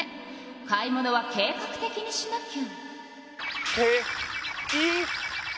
買い物は計画的にしなきゃ。